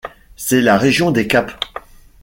C'est la région des Caps.